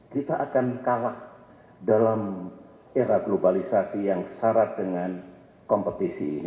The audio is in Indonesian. kita akan kalah dalam era globalisasi yang syarat dengan kompetisi ini